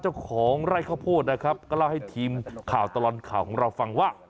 เจ้าของไร่ข้าวโพดนะครับก็เล่าให้ทีมข่าวตลอดข่าวของเราฟังว่า